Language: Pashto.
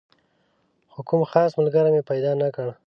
خو کوم خاص ملګری مې پیدا نه کړ.